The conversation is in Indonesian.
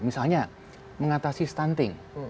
misalnya mengatasi stunting